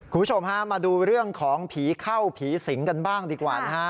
คุณผู้ชมฮะมาดูเรื่องของผีเข้าผีสิงกันบ้างดีกว่านะฮะ